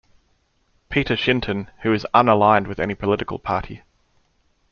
Peter Shinton, who is unaligned with any political party.